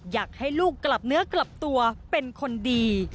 อยากให้ลูกกลับเนื้อกลับตัวเป็นคนดี